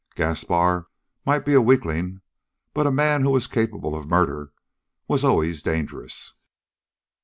Gaspar might be a weakling, but a man who was capable of murder was always dangerous.